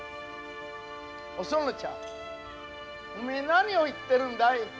お園ちゃんおめえ何を言ってるんだい？